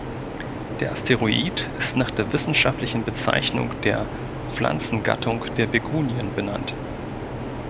Der Asteroid ist nach der wissenschaftlichen Bezeichnung der Pflanzengattung der Begonien benannt.